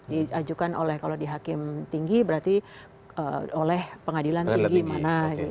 diajukan oleh kalau dihakim tinggi berarti oleh pengadilan tinggi